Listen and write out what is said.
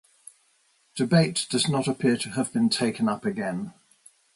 Debate does not appear to have been taken up again.